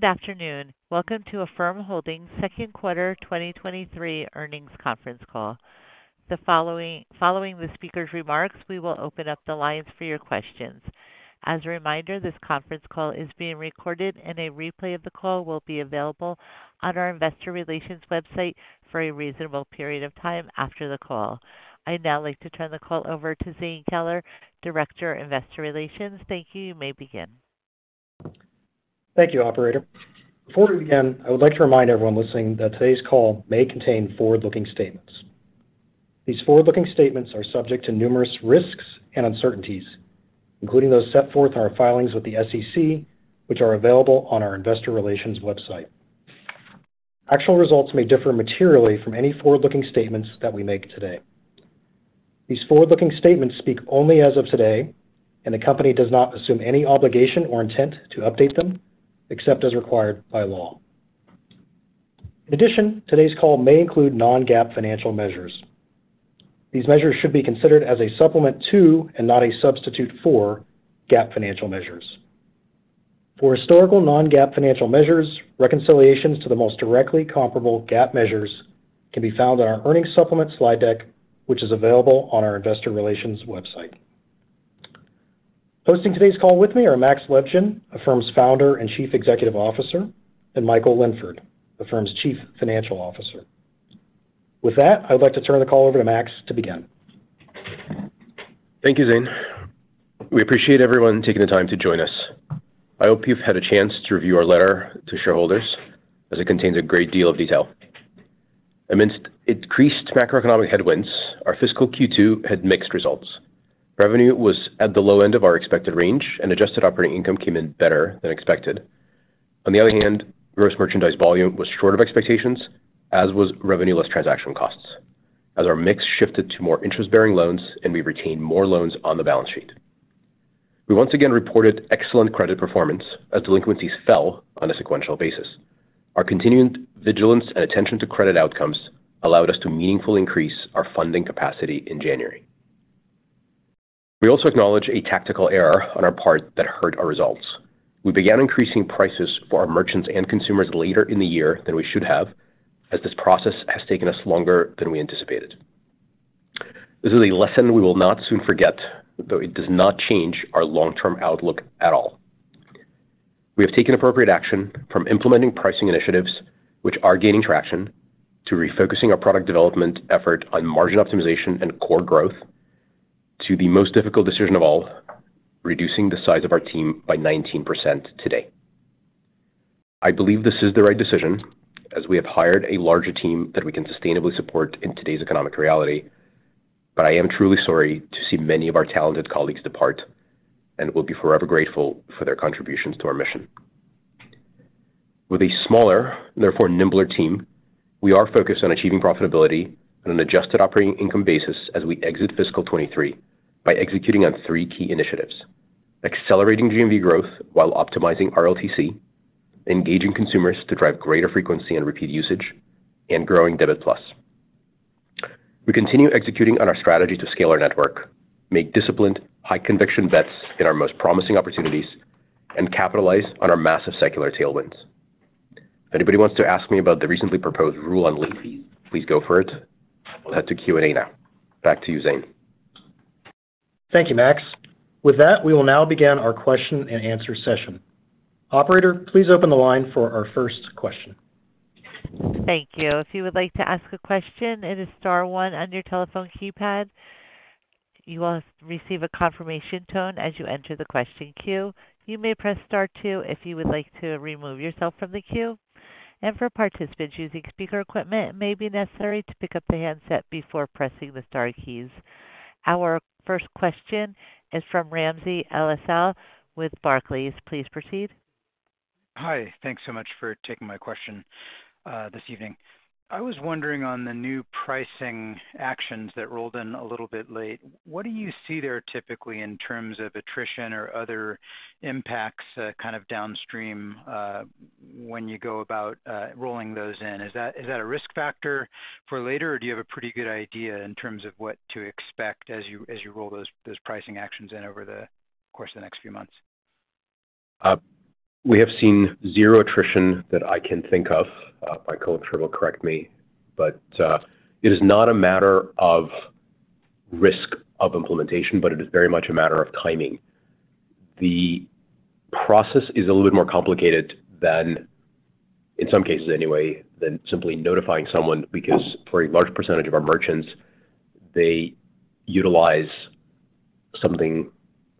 Good afternoon. Welcome to Affirm Holdings second quarter 2023 earnings conference call. Following the speaker's remarks, we will open up the lines for your questions. As a reminder, this conference call is being recorded, and a replay of the call will be available on our investor relations website for a reasonable period of time after the call. I'd now like to turn the call over to Zane Keller, Director, Investor Relations. Thank you. You may begin. Thank you, operator. Before we begin, I would like to remind everyone listening that today's call may contain forward-looking statements. These forward-looking statements are subject to numerous risks and uncertainties, including those set forth in our filings with the SEC, which are available on our investor relations website. Actual results may differ materially from any forward-looking statements that we make today. These forward-looking statements speak only as of today. The company does not assume any obligation or intent to update them, except as required by law. In addition, today's call may include non-GAAP financial measures. These measures should be considered as a supplement to, and not a substitute for, GAAP financial measures. For historical non-GAAP financial measures, reconciliations to the most directly comparable GAAP measures can be found on our earnings supplement slide deck, which is available on our investor relations website. Hosting today's call with me are Max Levchin, Affirm's Founder and Chief Executive Officer, and Michael Linford, Affirm's Chief Financial Officer. With that, I'd like to turn the call over to Max to begin. Thank you, Zane. We appreciate everyone taking the time to join us. I hope you've had a chance to review our letter to shareholders as it contains a great deal of detail. Amidst increased macroeconomic headwinds, our fiscal Q2 had mixed results. Revenue was at the low end of our expected range, and adjusted operating income came in better than expected. On the other hand, gross merchandise volume was short of expectations, as was revenue less transaction costs, as our mix shifted to more interest-bearing loans and we retained more loans on the balance sheet. We once again reported excellent credit performance as delinquencies fell on a sequential basis. Our continuing vigilance and attention to credit outcomes allowed us to meaningfully increase our funding capacity in January. We also acknowledge a tactical error on our part that hurt our results. We began increasing prices for our merchants and consumers later in the year than we should have, as this process has taken us longer than we anticipated. This is a lesson we will not soon forget, though it does not change our long-term outlook at all. We have taken appropriate action from implementing pricing initiatives which are gaining traction to refocusing our product development effort on margin optimization and core growth to the most difficult decision of all, reducing the size of our team by 19% today. I believe this is the right decision as we have hired a larger team that we can sustainably support in today's economic reality. But I am truly sorry to see many of our talented colleagues depart, and we'll be forever grateful for their contributions to our mission. With a smaller, therefore nimbler team, we are focused on achieving profitability on an adjusted operating income basis as we exit fiscal 2023 by executing on three key initiatives. Accelerating GMV growth while optimizing RLTC, engaging consumers to drive greater frequency and repeat usage, and growing Debit+. We continue executing on our strategy to scale our network, make disciplined, high conviction bets in our most promising opportunities, and capitalize on our massive secular tailwinds. If anybody wants to ask me about the recently proposed rule on late fees, please go for it. We'll head to Q&A now. Back to you, Zane. Thank you, Max. With that, we will now begin our question and answer session. Operator, please open the line for our first question. Thank you. If you would like to ask a question, it is star one on your telephone keypad. You will receive a confirmation tone as you enter the question queue. You may press star two if you would like to remove yourself from the queue. For participants using speaker equipment, it may be necessary to pick up the handset before pressing the star keys. Our first question is from Ramsey El-Assal with Barclays. Please proceed. Hi. Thanks so much for taking my question, this evening. I was wondering on the new pricing actions that rolled in a little bit late, what do you see there typically in terms of attrition or other impacts, kind of downstream, when you go about rolling those in? Is that a risk factor for later, or do you have a pretty good idea in terms of what to expect as you roll those pricing actions in over the course of the next few months? We have seen zero attrition that I can think of. My colleague Trevor will correct me, but it is not a matter of risk of implementation, but it is very much a matter of timing. The process is a little bit more complicated than, in some cases anyway, than simply notifying someone because for a large percentage of our merchants, they utilize something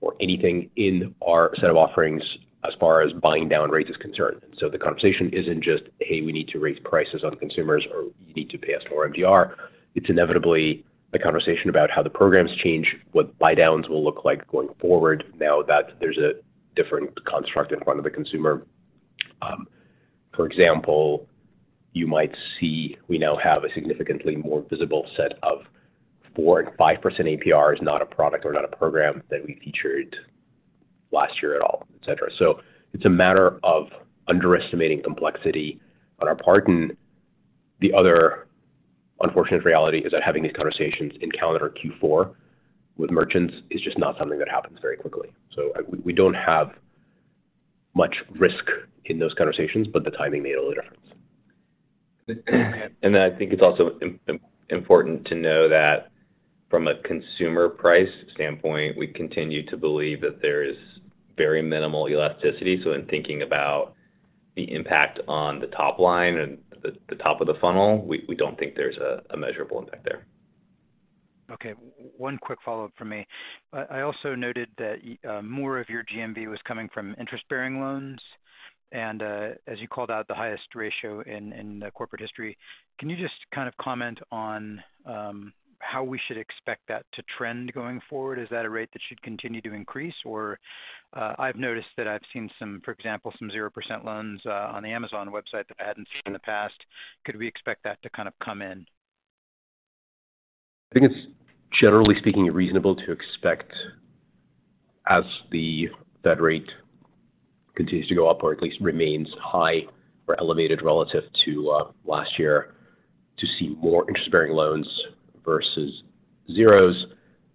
or anything in our set of offerings as far as buying down rates is concerned. The conversation isn't just, "Hey, we need to raise prices on consumers," or, "You need to pay us more MDR." It's inevitably the conversation about how the programs change, what buy downs will look like going forward now that there's a different construct in front of the consumer. For example, you might see we now have a significantly more visible set of 4% and 5% APRs, not a product or not a program that we featured last year at all, et cetera. It's a matter of underestimating complexity on our part. The other unfortunate reality is that having these conversations in calendar Q4 with merchants is just not something that happens very quickly. We, we don't have much risk in those conversations, but the timing made a little difference. I think it's also important to know that from a consumer price standpoint, we continue to believe that there is very minimal elasticity. In thinking about the impact on the top line and the top of the funnel, we don't think there's a measurable impact there. Okay. One quick follow-up from me. I also noted that more of your GMV was coming from interest-bearing loans, and as you called out, the highest ratio in corporate history. Can you just kind of comment on how we should expect that to trend going forward? Is that a rate that should continue to increase? I've noticed that I've seen some, for example, some 0% loans on the Amazon website that I hadn't seen in the past. Could we expect that to kind of come in? I think it's, generally speaking, reasonable to expect as the Fed rate continues to go up or at least remains high or elevated relative to last year to see more interest-bearing loans versus zeros.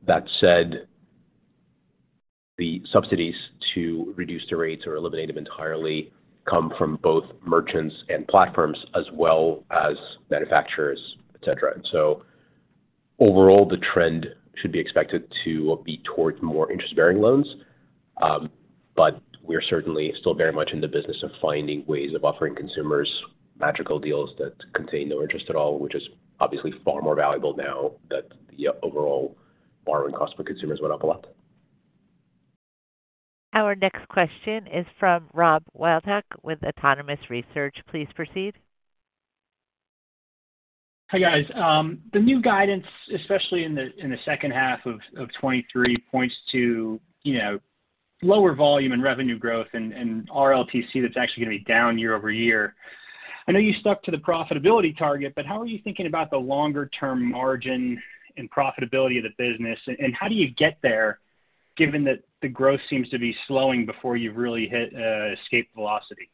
That said, the subsidies to reduce the rates or eliminate them entirely come from both merchants and platforms as well as manufacturers, et cetera. Overall, the trend should be expected to be towards more interest-bearing loans. We're certainly still very much in the business of finding ways of offering consumers magical deals that contain no interest at all, which is obviously far more valuable now that the overall borrowing cost for consumers went up a lot. Our next question is from Rob Wildhack with Autonomous Research. Please proceed. Hi, guys. The new guidance, especially in the second half of 2023, points to, you know, lower volume and revenue growth and RLTC that's actually gonna be down year-over-year. I know you stuck to the profitability target. How are you thinking about the longer-term margin and profitability of the business? How do you get there given that the growth seems to be slowing before you've really hit escape velocity?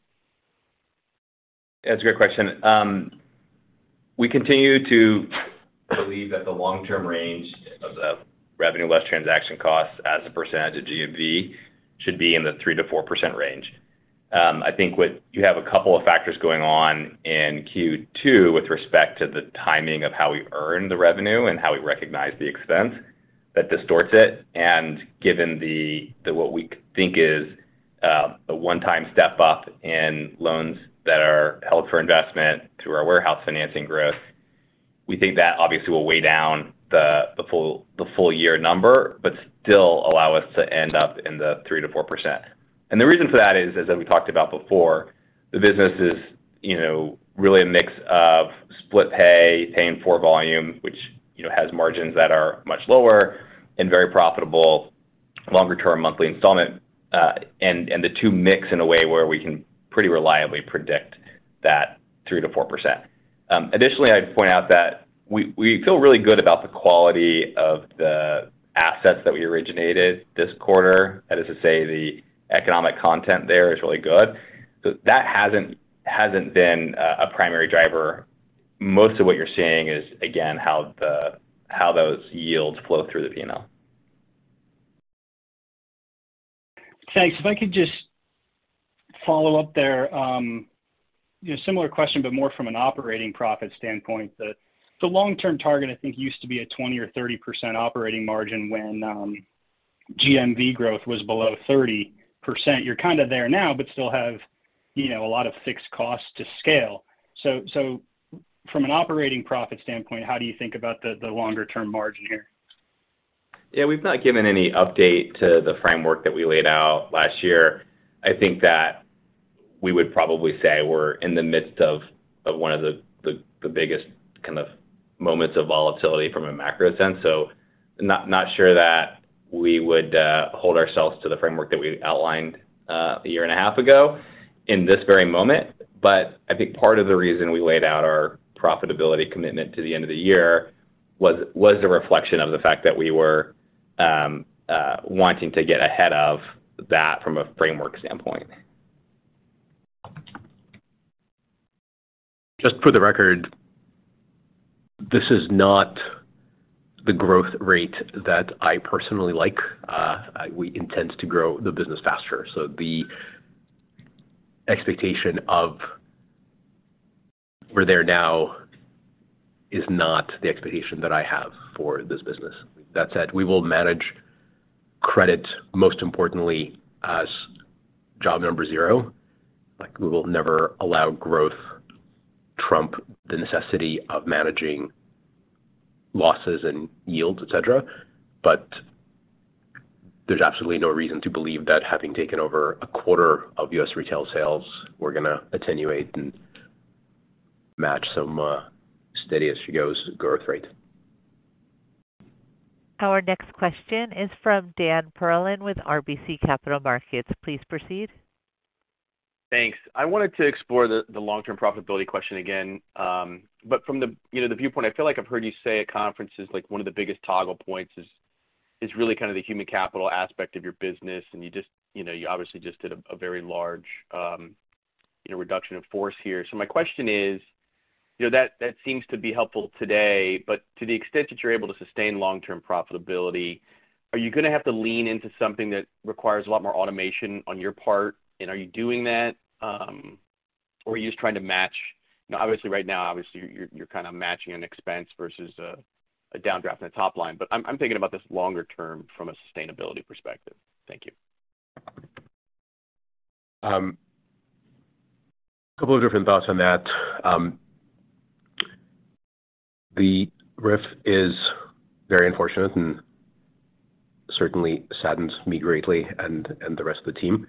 Yeah, it's a great question. We continue to believe that the long-term range of revenue less transaction costs as a percentage of GMV should be in the 3%-4% range. I think what you have a couple of factors going on in Q2 with respect to the timing of how we earn the revenue and how we recognize the expense that distorts it. Given the what we think is a 1-time step-up in loans that are held for investment through our warehouse financing growth, we think that obviously will weigh down the full year number, but still allow us to end up in the 3%-4%. The reason for that is, as we talked about before, the business is, you know, really a mix of Split Pay in 4 volume, which, you know, has margins that are much lower and very profitable longer-term monthly installment, and the two mix in a way where we can pretty reliably predict that 3%-4%. Additionally, I'd point out that we feel really good about the quality of the assets that we originated this quarter. That is to say the economic content there is really good. That hasn't been a primary driver. Most of what you're seeing is, again, how those yields flow through the P&L. Thanks. If I could just follow up there. you know, similar question, but more from an operating profit standpoint. The long-term target, I think, used to be a 20% or 30% operating margin when GMV growth was below 30%. You're kind of there now, but still have, you know, a lot of fixed costs to scale. From an operating profit standpoint, how do you think about the longer term margin here? Yeah. We've not given any update to the framework that we laid out last year. I think that we would probably say we're in the midst of one of the biggest kind of moments of volatility from a macro sense. Not sure that we would hold ourselves to the framework that we outlined a year and a half ago in this very moment. I think part of the reason we laid out our profitability commitment to the end of the year was a reflection of the fact that we were wanting to get ahead of that from a framework standpoint. Just for the record, this is not the growth rate that I personally like. We intend to grow the business faster. The expectation of we're there now is not the expectation that I have for this business. That said, we will manage credit most importantly as job number zero. Like, we will never allow growth trump the necessity of managing losses and yields, et cetera. There's absolutely no reason to believe that having taken over a quarter of U.S. retail sales, we're gonna attenuate and match some steady-as-she-goes growth rate. Our next question is from Dan Perlin with RBC Capital Markets. Please proceed. Thanks. I wanted to explore the long-term profitability question again. From the, you know, the viewpoint, I feel like I've heard you say at conferences, like one of the biggest toggle points is really kind of the human capital aspect of your business. You just, you know, you obviously just did a very large reduction of force here. My question is, you know, that seems to be helpful today, but to the extent that you're able to sustain long-term profitability, are you gonna have to lean into something that requires a lot more automation on your part, and are you doing that? Or are you just trying to match? Now obviously right now, obviously you're kind of matching an expense versus a downdraft in the top line. I'm thinking about this longer term from a sustainability perspective. Thank you. Couple of different thoughts on that. The RIF is very unfortunate and certainly saddens me greatly and the rest of the team.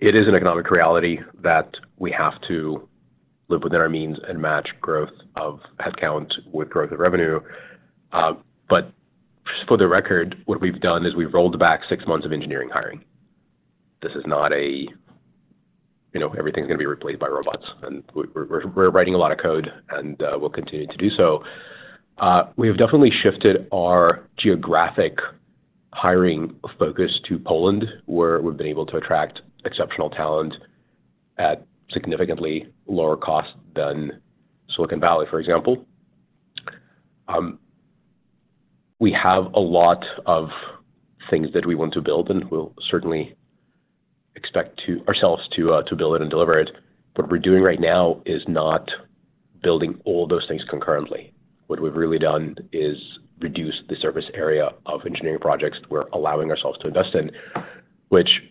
It is an economic reality that we have to live within our means and match growth of headcount with growth of revenue. Just for the record, what we've done is we've rolled back six months of engineering hiring. This is not a, you know, everything's gonna be replaced by robots, and we're writing a lot of code and we'll continue to do so. We have definitely shifted our geographic hiring focus to Poland, where we've been able to attract exceptional talent at significantly lower cost than Silicon Valley, for example. We have a lot of things that we want to build, and we'll certainly expect ourselves to build it and deliver it. What we're doing right now is not building all those things concurrently. What we've really done is reduce the service area of engineering projects we're allowing ourselves to invest in, which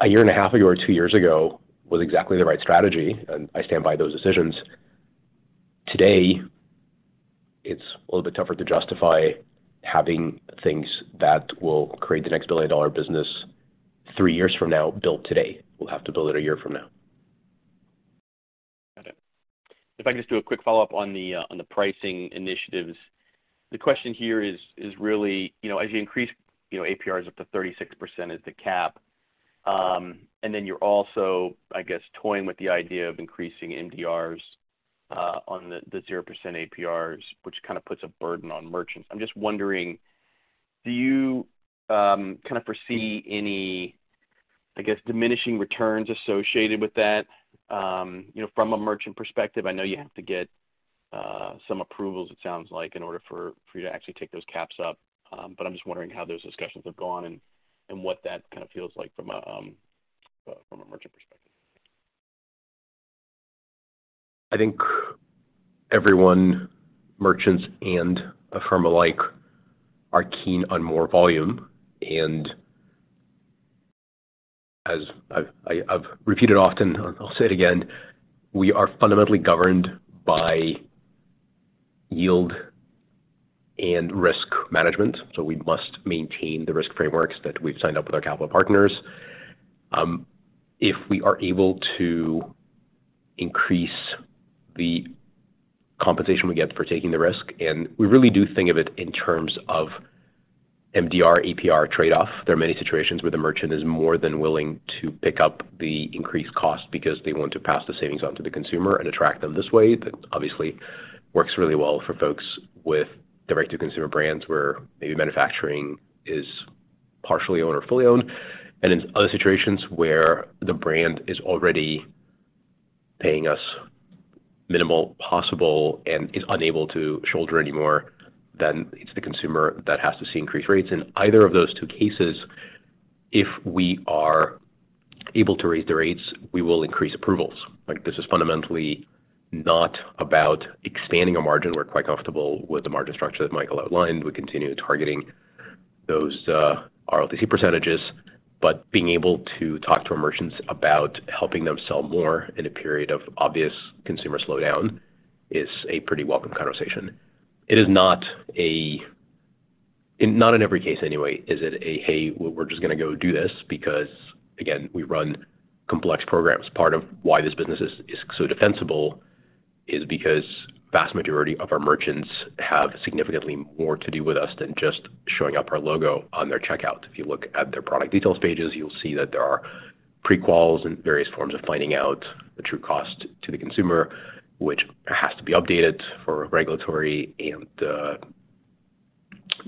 a year and a half ago or two years ago was exactly the right strategy, and I stand by those decisions. Today, it's a little bit tougher to justify having things that will create the next billion-dollar business three years from now built today. We'll have to build it a year from now. Got it. If I could just do a quick follow-up on the on the pricing initiatives. The question here is really, you know, as you increase, you know, APRs up to 36% is the cap, and then you're also, I guess, toying with the idea of increasing MDRs on the 0% APRs, which kind of puts a burden on merchants. I'm just wondering, do you kind of foresee any, I guess, diminishing returns associated with that, you know, from a merchant perspective? I know you have to get some approvals, it sounds like, in order for you to actually take those caps up. I'm just wondering how those discussions have gone and what that kind of feels like from a from a merchant perspective. I think everyone, merchants and Affirm alike, are keen on more volume. As I've repeated often, and I'll say it again, we are fundamentally governed by yield and risk management, so we must maintain the risk frameworks that we've signed up with our capital partners. If we are able to increase the compensation we get for taking the risk, and we really do think of it in terms of MDR APR trade-off. There are many situations where the merchant is more than willing to pick up the increased cost because they want to pass the savings on to the consumer and attract them this way. That obviously works really well for folks with direct-to-consumer brands, where maybe manufacturing is partially owned or fully owned. In other situations where the brand is already paying us minimal possible and is unable to shoulder any more, then it's the consumer that has to see increased rates. In either of those two cases, if we are able to raise the rates, we will increase approvals. Like, this is fundamentally not about expanding a margin. We're quite comfortable with the margin structure that Michael outlined. We continue targeting those RLTC percentages. Being able to talk to our merchants about helping them sell more in a period of obvious consumer slowdown is a pretty welcome conversation. It is not Not in every case anyway, is it a, "Hey, we're just gonna go do this," because again, we run complex programs. Part of why this business is so defensible is because vast majority of our merchants have significantly more to do with us than just showing up our logo on their checkout. If you look at their product details pages, you'll see that there are pre-quals and various forms of finding out the true cost to the consumer, which has to be updated for regulatory and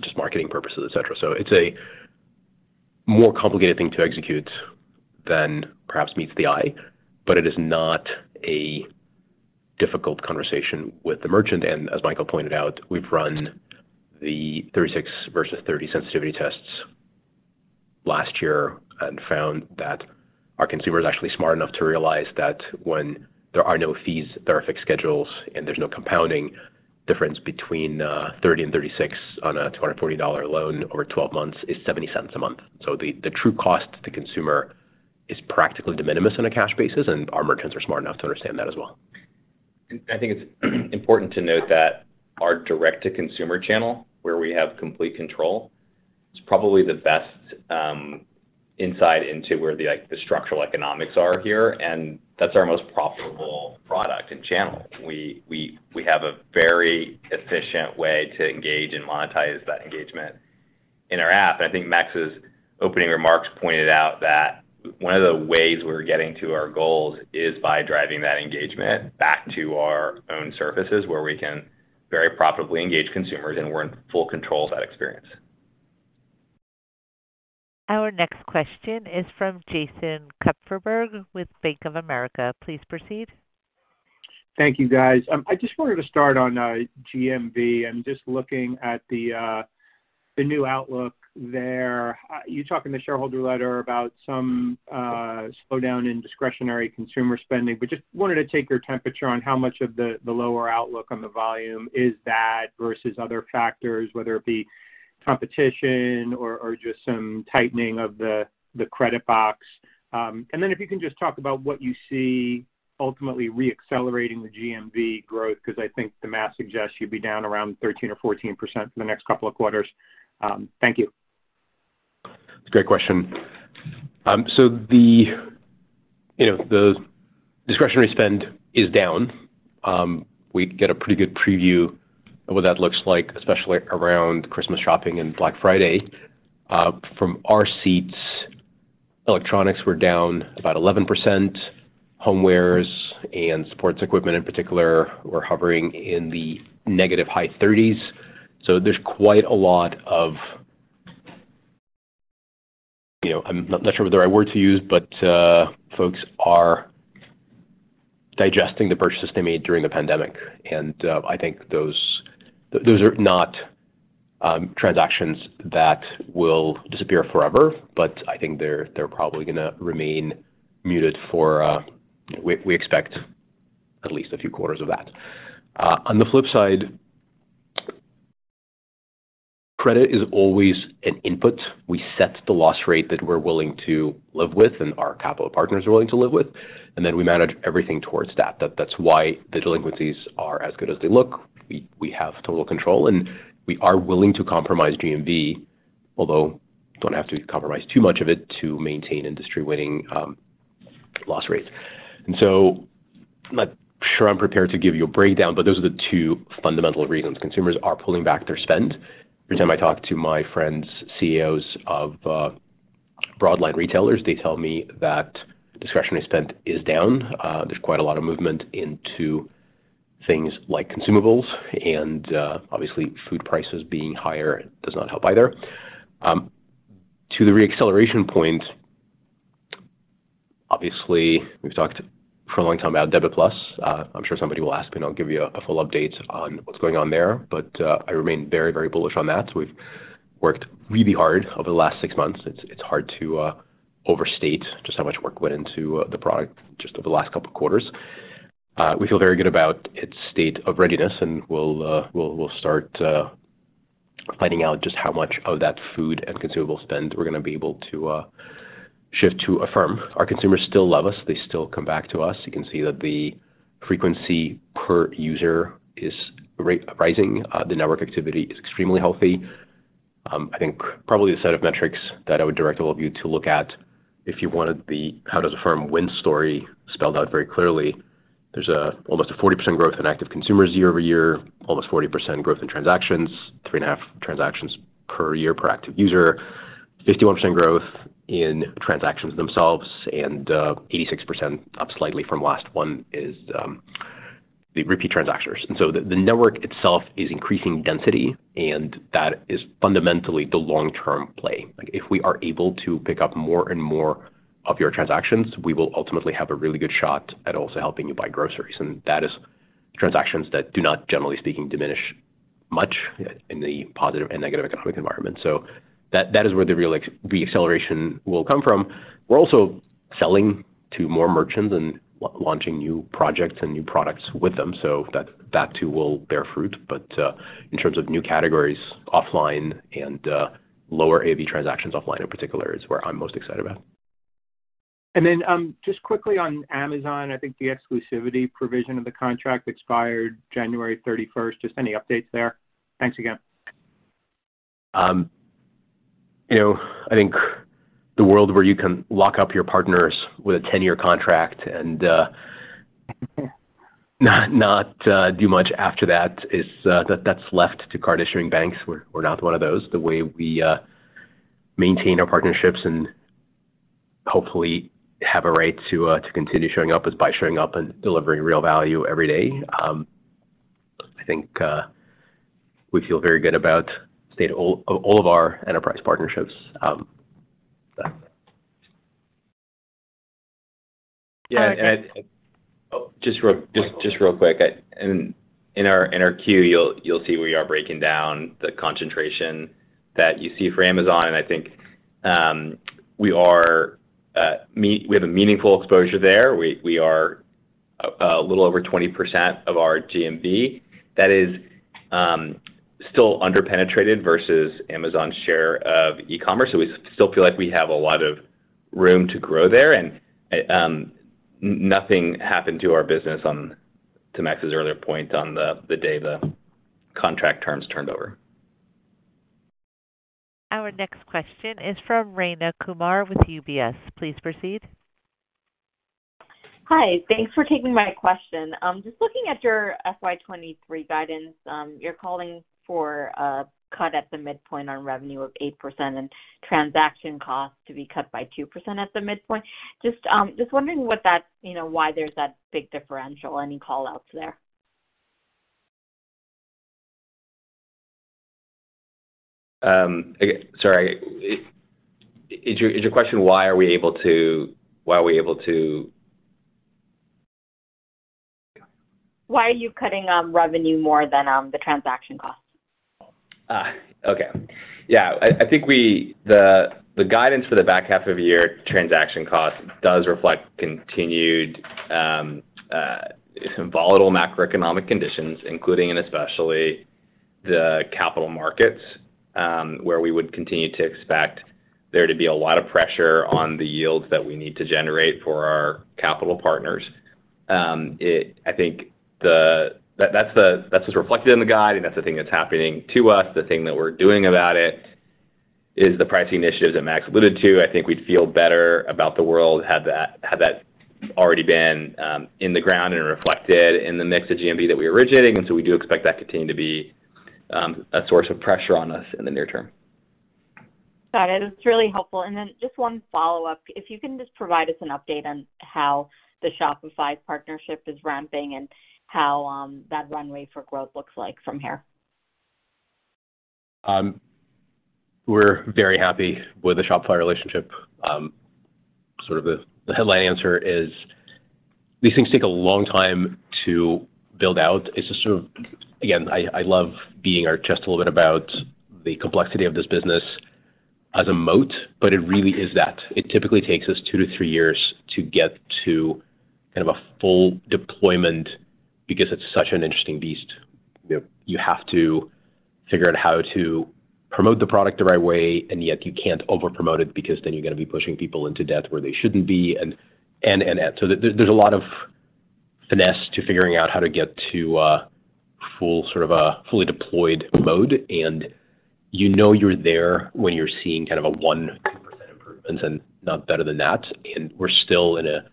just marketing purposes, et cetera. So it's a more complicated thing to execute than perhaps meets the eye, but it is not a difficult conversation with the merchant. As Michael pointed out, we've run the 36 versus 30 sensitivity tests last year and found that our consumer is actually smart enough to realize that when there are no fees, there are fixed schedules, and there's no compounding difference between 30 and 36 on a $240 loan over 12 months is $0.70 a month. The true cost to consumer is practically de minimis on a cash basis, and our merchants are smart enough to understand that as well. I think it's important to note that our direct-to-consumer channel, where we have complete control, is probably the best, insight into where the, like, the structural economics are here. That's our most profitable product and channel. We have a very efficient way to engage and monetize that engagement In our app, I think Max's opening remarks pointed out that one of the ways we're getting to our goals is by driving that engagement back to our own services where we can very profitably engage consumers and we're in full control of that experience. Our next question is from Jason Kupferberg with Bank of America. Please proceed. Thank you, guys. I just wanted to start on GMV. I'm just looking at the new outlook there. You talk in the shareholder letter about some slowdown in discretionary consumer spending. Just wanted to take your temperature on how much of the lower outlook on the volume is that versus other factors, whether it be competition or just some tightening of the credit box. Then if you can just talk about what you see ultimately re-accelerating the GMV growth, 'cause I think the math suggests you'd be down around 13% or 14% for the next couple of quarters. Thank you. It's a great question. The, you know, the discretionary spend is down. We get a pretty good preview of what that looks like, especially around Christmas shopping and Black Friday. From our seats, electronics were down about 11%. Homewares and sports equipment in particular were hovering in the negative high 30s. There's quite a lot of, you know, I'm not sure the right word to use, but folks are digesting the purchases they made during the pandemic. I think those are not transactions that will disappear forever, but I think they're probably gonna remain muted for we expect at least a few quarters of that. On the flip side, credit is always an input. We set the loss rate that we're willing to live with and our capital partners are willing to live with, then we manage everything towards that. That's why the delinquencies are as good as they look. We have total control, and we are willing to compromise GMV, although don't have to compromise too much of it to maintain industry-winning loss rates. I'm not sure I'm prepared to give you a breakdown, but those are the two fundamental reasons consumers are pulling back their spend. Every time I talk to my friends, CEOs of broad line retailers, they tell me that discretionary spend is down. There's quite a lot of movement into things like consumables, and obviously food prices being higher does not help either. To the re-acceleration point, obviously, we've talked for a long time about Debit+. I'm sure somebody will ask me, and I'll give you a full update on what's going on there, but I remain very, very bullish on that. We've worked really hard over the last six months. It's hard to overstate just how much work went into the product just over the last couple of quarters. We feel very good about its state of readiness, and we'll start finding out just how much of that food and consumable spend we're gonna be able to shift to Affirm. Our consumers still love us. They still come back to us. You can see that the frequency per user is rising. The network activity is extremely healthy. I think probably the set of metrics that I would direct all of you to look at if you wanted the how does Affirm win story spelled out very clearly. There's a almost a 40% growth in active consumers year-over-year, almost 40% growth in transactions, three and a half transactions per year per active user, 51% growth in transactions themselves, and 86%, up slightly from last one, is the repeat transactors. So the network itself is increasing density, and that is fundamentally the long-term play. Like, if we are able to pick up more and more of your transactions, we will ultimately have a really good shot at also helping you buy groceries. That is transactions that do not, generally speaking, diminish much in the positive and negative economic environment. That is where the real re-acceleration will come from. We're also selling to more merchants and launching new projects and new products with them, that too will bear fruit. In terms of new categories, offline and lower AV transactions offline in particular is where I'm most excited about. Just quickly on Amazon, I think the exclusivity provision of the contract expired January 31. Just any updates there? Thanks again. You know, I think the world where you can lock up your partners with a 10-year contract and not do much after that is, that's left to card-issuing banks. We're not one of those. The way we maintain our partnerships and hopefully have a right to continue showing up is by showing up and delivering real value every day. I think we feel very good about state of all of our enterprise partnerships. Yeah. Just real quick. In our queue, you'll see we are breaking down the concentration that you see for Amazon. I think we have a meaningful exposure there. We are a little over 20% of our GMV that is still under-penetrated versus Amazon's share of e-commerce. We still feel like we have a lot of room to grow there. Nothing happened to our business, on to Max's earlier point, on the day the contract terms turned over. Our next question is from Rayna Kumar with UBS. Please proceed. Hi. Thanks for taking my question. Just looking at your FY 2023 guidance, you're calling for a cut at the midpoint on revenue of 8% and transaction costs to be cut by 2% at the midpoint. Just wondering, you know, why there's that big differential? Any call-outs there? Okay. Sorry. Is your question why are we able to... Why are you cutting, revenue more than, the transaction costs? Okay. I think the guidance for the back half of the year transaction cost does reflect continued some volatile macroeconomic conditions, including and especially the capital markets, where we would continue to expect there to be a lot of pressure on the yields that we need to generate for our capital partners. I think that's just reflected in the guide, and that's the thing that's happening to us. The thing that we're doing about it is the pricing initiatives that Max alluded to. I think we'd feel better about the world had that, had that already been in the ground and reflected in the mix of GMV that we originated. We do expect that continue to be a source of pressure on us in the near term. Got it. It's really helpful. Just one follow-up. If you can just provide us an update on how the Shopify partnership is ramping and how that runway for growth looks like from here. We're very happy with the Shopify relationship. The headline answer is these things take a long time to build out. Again, I love being just a little bit about the complexity of this business as a moat, but it really is that. It typically takes us 2 to 3 years to get to kind of a full deployment because it's such an interesting beast. You know, you have to figure out how to promote the product the right way, and yet you can't over-promote it because then you're gonna be pushing people into debt where they shouldn't be. There's a lot of finesse to figuring out how to get to a full, sort of a fully deployed mode. You know you're there when you're seeing kind of a 1% improvements and not better than that. We're still in a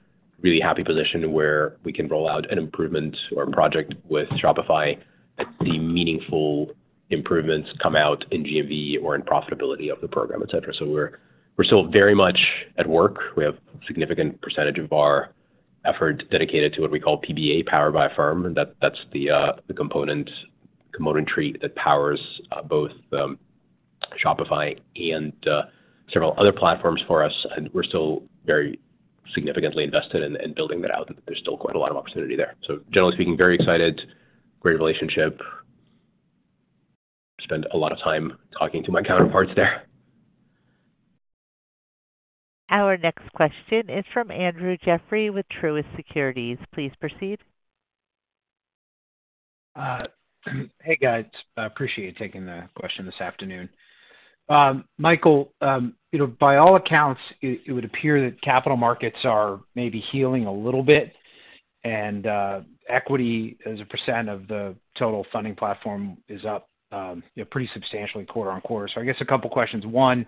really happy position where we can roll out an improvement or a project with Shopify and see meaningful improvements come out in GMV or in profitability of the program, et cetera. We're still very much at work. We have significant percentage of our effort dedicated to what we call PBA, Powered by Affirm, and that's the componentry that powers both Shopify and several other platforms for us. We're still very significantly invested in building that out, and there's still quite a lot of opportunity there. Generally speaking, very excited, great relationship. Spend a lot of time talking to my counterparts there. Our next question is from Andrew Jeffrey with Truist Securities. Please proceed. Hey, guys. I appreciate you taking the question this afternoon. Michael, you know, by all accounts, it would appear that capital markets are maybe healing a little bit and equity as a percent of the total funding platform is up, you know, pretty substantially quarter-on-quarter. I guess a couple questions. One,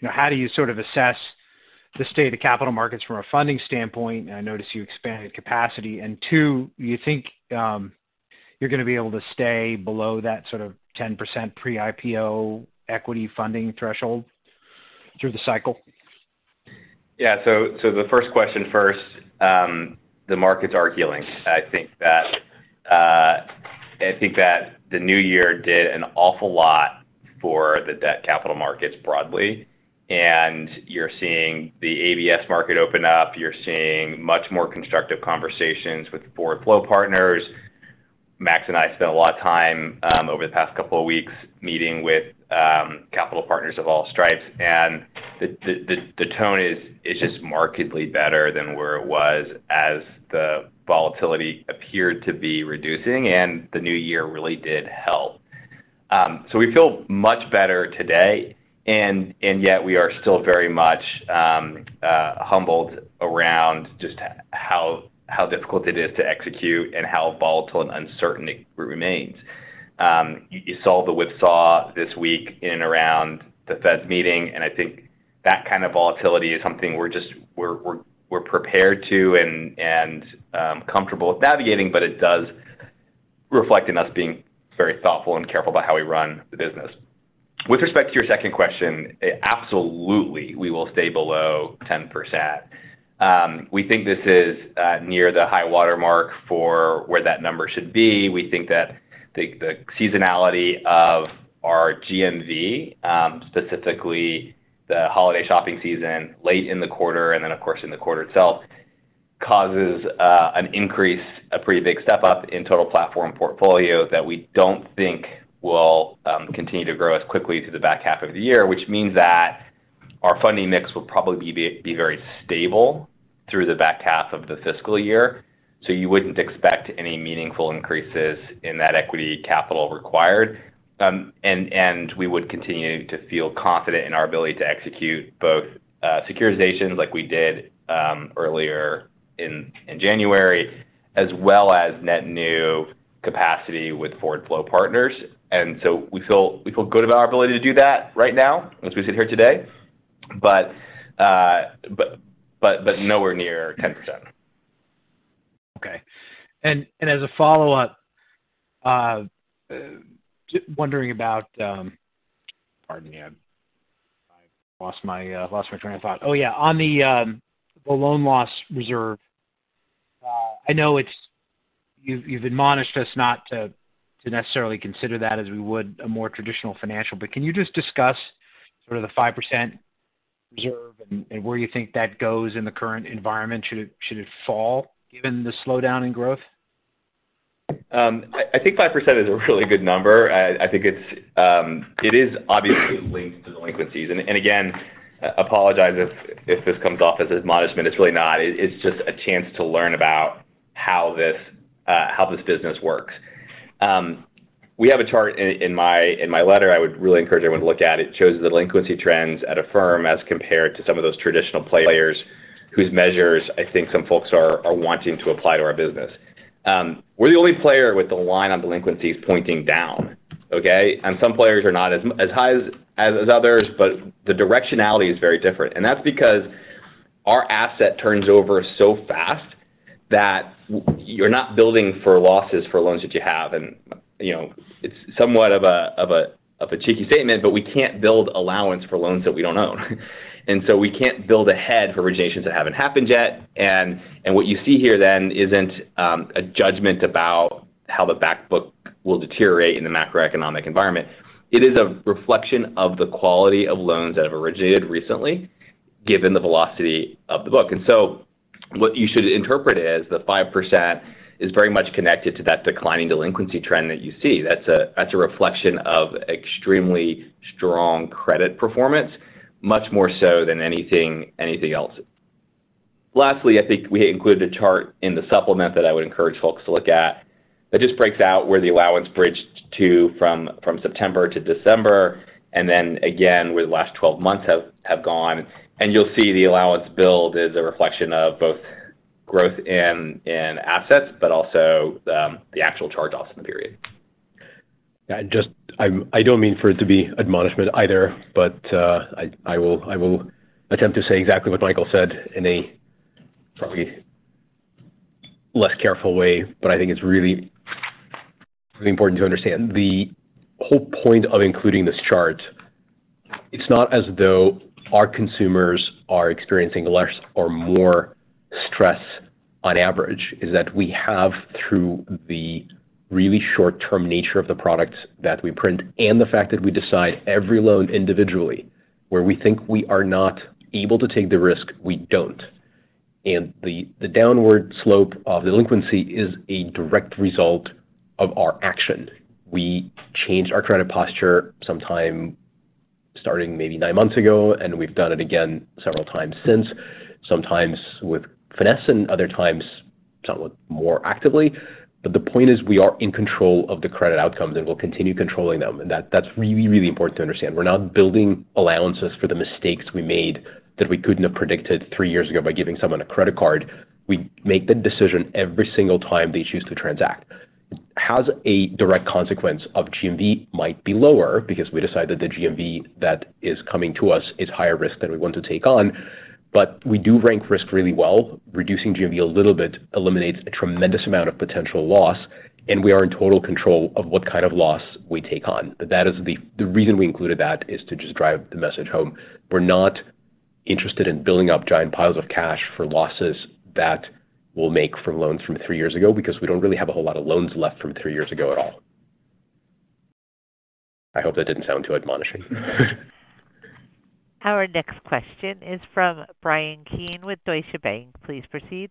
you know, how do you sort of assess the state of capital markets from a funding standpoint? I notice you expanded capacity. Two, do you think you're gonna be able to stay below that sort of 10% pre-IPO equity funding threshold through the cycle? Yeah. The first question first, the markets are healing. I think that, I think that the new year did an awful lot for the debt capital markets broadly. You're seeing the ABS market open up. You're seeing much more constructive conversations with forward flow partners. Max and I spent a lot of time over the past couple of weeks meeting with capital partners of all stripes. The tone is just markedly better than where it was as the volatility appeared to be reducing and the new year really did help. We feel much better today, and yet we are still very much humbled around just how difficult it is to execute and how volatile and uncertain it remains. You saw the whipsaw this week in and around the Fed's meeting, I think that kind of volatility is something we're prepared to and comfortable with navigating, it does reflect in us being very thoughtful and careful about how we run the business. With respect to your second question, absolutely we will stay below 10%. We think this is near the high watermark for where that number should be. We think that the seasonality of our GMV, specifically the holiday shopping season late in the quarter and then, of course, in the quarter itself, causes an increase, a pretty big step-up in total platform portfolio that we don't think will continue to grow as quickly through the back half of the year, which means that our funding mix will probably be very stable through the back half of the fiscal year, so you wouldn't expect any meaningful increases in that equity capital required. We would continue to feel confident in our ability to execute both securitizations like we did earlier in January as well as net new capacity with forward flow partners. We feel good about our ability to do that right now as we sit here today, but nowhere near 10%. Okay. As a follow-up, just wondering about... Pardon me. I've lost my train of thought. Oh, yeah, on the loan loss reserve, I know you've admonished us not to necessarily consider that as we would a more traditional financial, but can you just discuss sort of the 5% reserve and where you think that goes in the current environment? Should it fall given the slowdown in growth? I think 5% is a really good number. I think it's. It is obviously linked to delinquencies. Again, apologize if this comes off as admonishment, it's really not. It's just a chance to learn about how this business works. We have a chart in my letter I would really encourage everyone to look at. It shows the delinquency trends at Affirm as compared to some of those traditional players whose measures I think some folks are wanting to apply to our business. We're the only player with the line on delinquencies pointing down, okay? Some players are not as high as others, but the directionality is very different. That's because our asset turns over so fast that you're not building for losses for loans that you have. You know, it's somewhat of a cheeky statement, but we can't build allowance for loans that we don't own. We can't build ahead for originations that haven't happened yet. What you see here then isn't a judgment about how the back book will deteriorate in the macroeconomic environment. It is a reflection of the quality of loans that have originated recently, given the velocity of the book. What you should interpret it as the 5% is very much connected to that declining delinquency trend that you see. That's a reflection of extremely strong credit performance, much more so than anything else. Lastly, I think we included a chart in the supplement that I would encourage folks to look at. That just breaks out where the allowance bridged to from September to December and then again where the last 12 months have gone. You'll see the allowance build is a reflection of both growth in assets, but also the actual charge-offs in the period. Yeah, just I don't mean for it to be admonishment either, but I will attempt to say exactly what Michael said in a probably less careful way. I think it's really, really important to understand the whole point of including this chart. It's not as though our consumers are experiencing less or more stress on average, is that we have through the really short-term nature of the products that we print and the fact that we decide every loan individually, where we think we are not able to take the risk, we don't. The downward slope of delinquency is a direct result of our action. We changed our credit posture sometime starting maybe nine months ago, and we've done it again several times since. Sometimes with finesse and other times somewhat more actively. The point is, we are in control of the credit outcomes, and we'll continue controlling them. That's really, really important to understand. We're not building allowances for the mistakes we made that we couldn't have predicted three years ago by giving someone a credit card. We make the decision every single time they choose to transact. Has a direct consequence of GMV might be lower because we decided the GMV that is coming to us is higher risk than we want to take on. We do rank risk really well. Reducing GMV a little bit eliminates a tremendous amount of potential loss, and we are in total control of what kind of loss we take on. That is the reason we included that is to just drive the message home. We're not interested in building up giant piles of cash for losses that we'll make from loans from three years ago because we don't really have a whole lot of loans left from three years ago at all. I hope that didn't sound too admonishing. Our next question is from Bryan Keane with Deutsche Bank. Please proceed.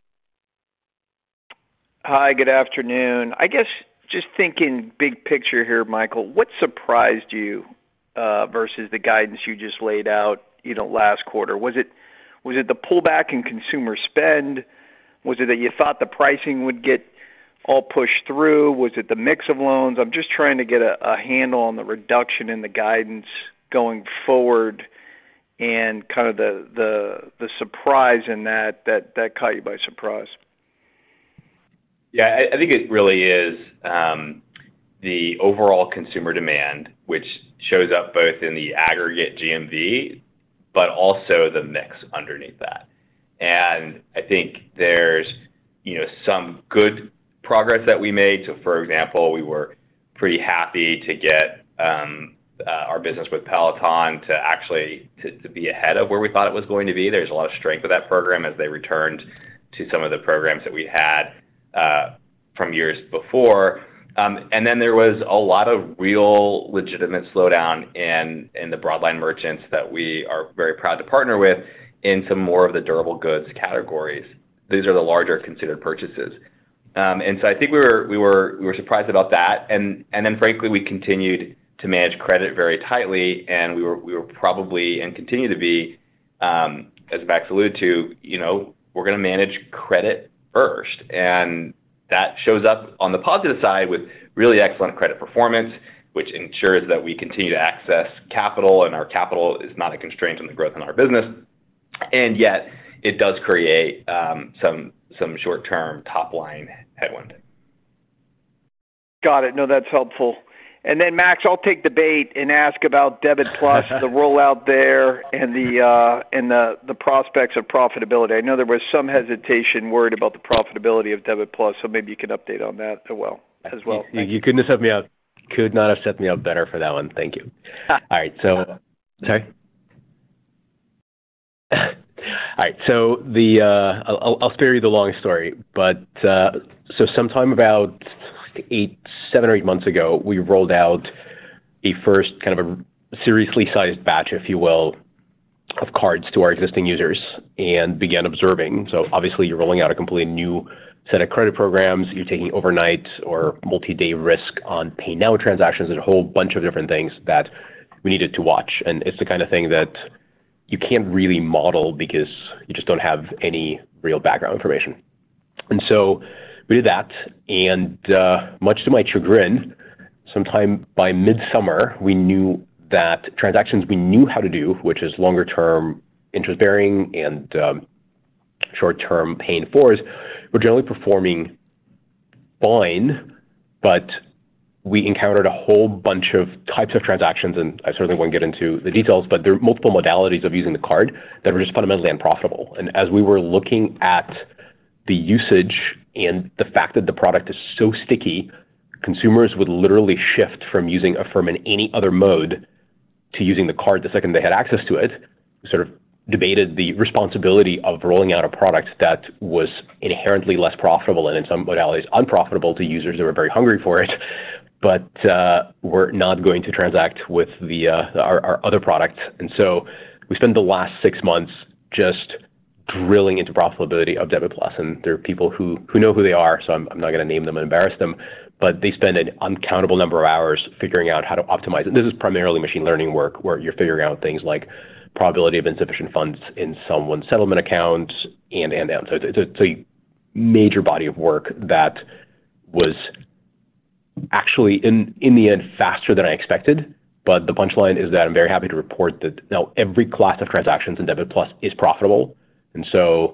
Hi, good afternoon. I guess just thinking big picture here, Michael, what surprised you versus the guidance you just laid out, you know, last quarter? Was it the pullback in consumer spend? Was it that you thought the pricing would get all pushed through? Was it the mix of loans? I'm just trying to get a handle on the reduction in the guidance going forward and kind of the surprise in that caught you by surprise. Yeah. I think it really is the overall consumer demand, which shows up both in the aggregate GMV but also the mix underneath that. I think there's, you know, some good progress that we made. For example, we were pretty happy to get our business with Peloton to actually be ahead of where we thought it was going to be. There's a lot of strength of that program as they returned to some of the programs that we had from years before. Then there was a lot of real legitimate slowdown in the broad line merchants that we are very proud to partner with in some more of the durable goods categories. These are the larger considered purchases. I think we were surprised about that. Then frankly, we continued to manage credit very tightly and we were probably, and continue to be, as Max alluded to, you know, we're gonna manage credit first. That shows up on the positive side with really excellent credit performance, which ensures that we continue to access capital, and our capital is not a constraint on the growth in our business. Yet it does create some short-term top-line headwind. Got it. No, that's helpful. Then Max, I'll take the bait and ask about Debit+, the rollout there, and the prospects of profitability. I know there was some hesitation worried about the profitability of Debit+. Maybe you can update on that as well. You could not have set me up better for that one. Thank you. Sorry? All right. I'll spare you the long story, but sometime about seven or eight months ago, we rolled out the first kind of a seriously sized batch, if you will, of cards to our existing users and began observing. Obviously, you're rolling out a completely new set of credit programs. You're taking overnight or multi-day risk on pay-now transactions. There's a whole bunch of different things that we needed to watch, and it's the kind of thing that you can't really model because you just don't have any real background information. We did that. Much to my chagrin, sometime by midsummer, we knew that transactions we knew how to do, which is longer term interest-bearing and short-term Pay in 4s, were generally performing fine. We encountered a whole bunch of types of transactions, and I certainly won't get into the details, but there are multiple modalities of using the card that were just fundamentally unprofitable. As we were looking at the usage and the fact that the product is so sticky, consumers would literally shift from using Affirm in any other mode to using the card the second they had access to it, sort of debated the responsibility of rolling out a product that was inherently less profitable and in some modalities unprofitable to users that were very hungry for it, but were not going to transact with our other product. We spent the last six months just drilling into profitability of Debit+. There are people who know who they are, so I'm not gonna name them and embarrass them, but they spend an uncountable number of hours figuring out how to optimize it. This is primarily machine learning work, where you're figuring out things like probability of insufficient funds in someone's settlement account and that. It's a major body of work that was actually in the end, faster than I expected. The punchline is that I'm very happy to report that now every class of transactions in Debit+ is profitable. To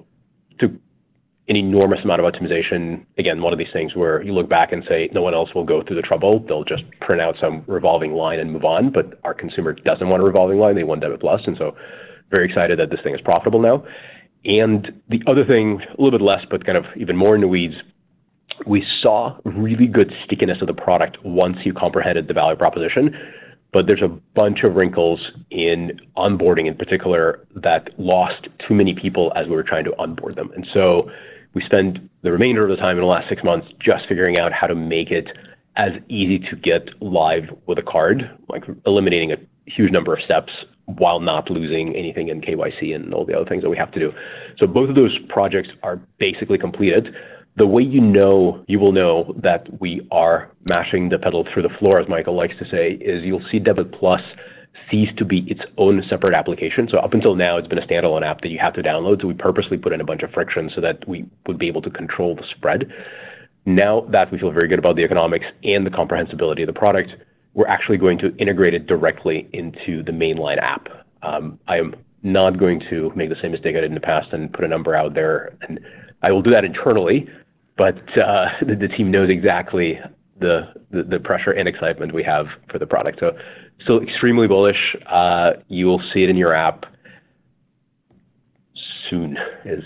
an enormous amount of optimization, again, one of these things where you look back and say, "No one else will go through the trouble. They'll just print out some revolving line and move on." Our consumer doesn't want a revolving line. They want Debit+. Very excited that this thing is profitable now. The other thing, a little bit less, but kind of even more in the weeds, we saw really good stickiness of the product once you comprehended the value proposition. There's a bunch of wrinkles in onboarding in particular that lost too many people as we were trying to onboard them. We spent the remainder of the time in the last six months just figuring out how to make it as easy to get live with a card, like eliminating a huge number of steps while not losing anything in KYC and all the other things that we have to do. Both of those projects are basically completed. The way you will know that we are mashing the pedal through the floor, as Michael likes to say, is you'll see Debit+ cease to be its own separate application. Up until now, it's been a standalone app that you have to download, so we purposely put in a bunch of friction so that we would be able to control the spread. Now that we feel very good about the economics and the comprehensibility of the product, we're actually going to integrate it directly into the mainline app. I am not going to make the same mistake I did in the past and put a number out there. I will do that internally, but the team knows exactly the pressure and excitement we have for the product. So extremely bullish. You will see it in your app soon. As